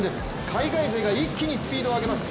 海外勢が一気にスピードを上げます。